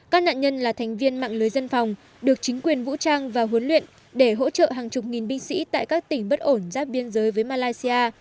các nạn nhân là thành viên mạng lưới dân phòng được chính quyền vũ trang và huấn luyện để hỗ trợ hàng chục nghìn binh sĩ tại các tỉnh bất ổn giáp biên giới với malaysia